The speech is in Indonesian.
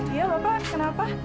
iya bapak kenapa